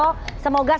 semoga semuanya berhasil